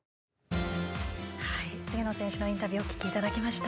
菅野選手のインタビューお聞きいただきました。